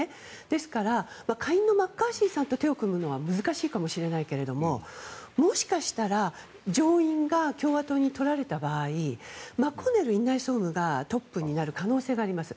ですから、下院のマッカーシーさんと手を組むのは難しいかもしれないけれどももしかしたら、上院が共和党に取られた場合マコーネル院内総務がトップになる可能性があります。